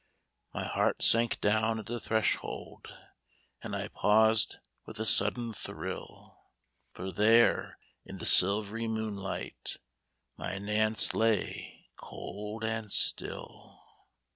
My heart sank down at the threshold. And I paused with a sudden thrill, For there in the silv'ry moonlight My Nance lay, cold and still.